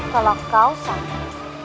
kalau kau sanggup